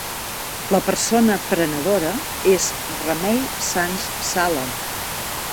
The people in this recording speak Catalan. La persona prenedora és Remei Sants Sala.